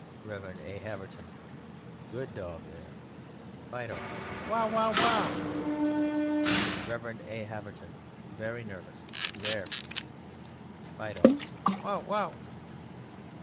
REV. A. HAVERTON: Good dog, there! FIDO: Wow, Wow, wow! REV. A. HAVERTON (very nervous): There! FIDO: Wow! wow!